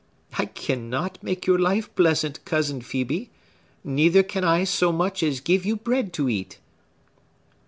I cannot make your life pleasant, Cousin Phœbe, neither can I so much as give you bread to eat."